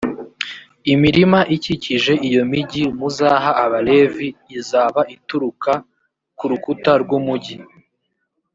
imirima ikikije iyo migi muzaha abalevi, izaba ituruka ku rukuta rw’umugi